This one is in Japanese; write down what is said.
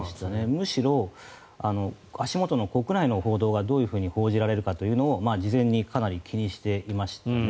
むしろ足元の国内の報道がどう報じられるかというのを事前にかなり気にしていましたね。